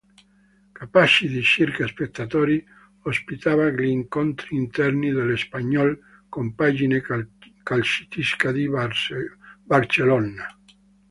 Capace di circa spettatori, ospitava gli incontri interni dell'Espanyol, compagine calcistica di Barcellona.